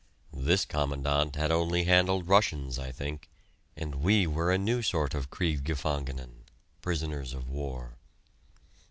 This Commandant had only handled Russians, I think, and we were a new sort of Kriegsgefangenen (prisoners of war).